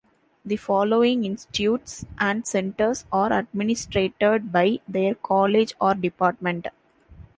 The following institutes and centers are administered by their college or department.